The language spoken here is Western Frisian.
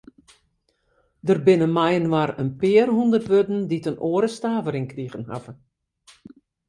Der binne mei-inoar in pear hûndert wurden dy't in oare stavering krigen hawwe.